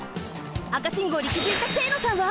赤信号にきづいた清野さんは！？